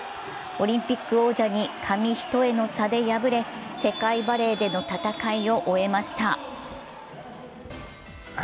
オリンピック王者に紙一重の差で敗れ、世界バレーでの戦いを終えました。